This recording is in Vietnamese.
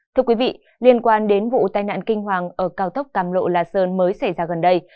thưa quý vị liên quan đến vụ tai nạn kinh hoàng ở cao tốc càm lộ la sơn mới xảy ra gần đây